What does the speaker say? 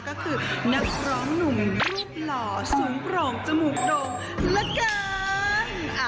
ก็คือนักร้องหนุ่มรูปหล่อสูงโปร่งจมูกโด่งละกัน